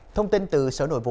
thông tin từ sở nội